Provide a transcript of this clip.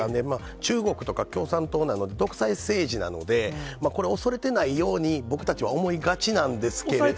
中国とか共産党、独裁政治なので、これ、恐れてないように僕たちは思いがちなんですけれども。